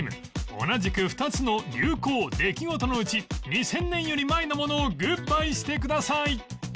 同じく２つの流行・出来事のうち２０００年より前のものをグッバイしてください